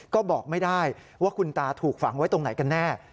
ก็บอกไม่ได้ว่าคุณตาถูกฝังไว้ตรงไหนกันแน่